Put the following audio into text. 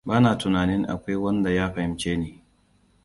Bana tunanin akwai wanda ya fahimce ni.